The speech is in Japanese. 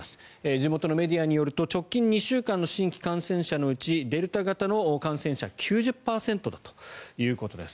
地元のメディアによると直近２週間の新規感染者のうちデルタ型の感染者は９０％だということです。